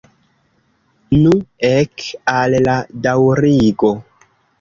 Nu, ek al la daŭrigo!